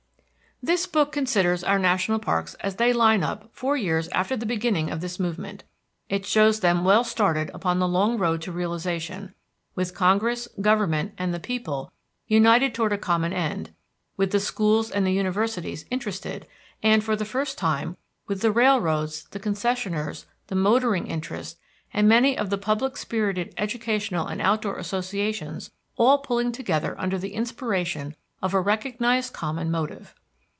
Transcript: This book considers our national parks as they line up four years after the beginning of this movement. It shows them well started upon the long road to realization, with Congress, Government, and the people united toward a common end, with the schools and the universities interested, and, for the first time, with the railroads, the concessioners, the motoring interests, and many of the public spirited educational and outdoor associations all pulling together under the inspiration of a recognized common motive.